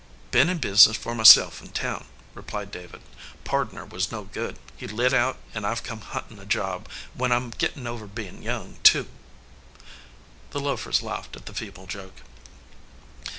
"Been in business for myself in town," replied David. "Pardner wasn t no good. He lit out, and I ve come huntin a job, when I m gittin over bein young, too." The loafers laughed at the feeble joke.